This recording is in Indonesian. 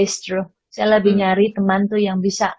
justru saya lebih nyari teman tuh yang bisa